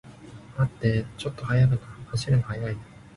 待ってー、ちょっと走るの速いよー